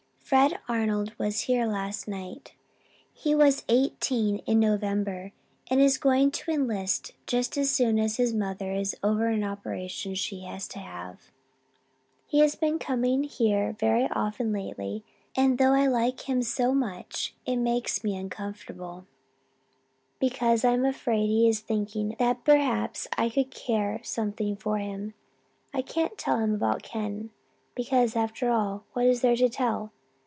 "Fred Arnold was here last night. He was eighteen in November and is going to enlist just as soon as his mother is over an operation she has to have. He has been coming here very often lately and though I like him so much it makes me uncomfortable, because I am afraid he is thinking that perhaps I could care something for him. I can't tell him about Ken because, after all, what is there to tell?